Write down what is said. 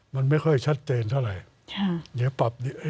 มันไม่ค่อยชัดเจนเท่าไหร่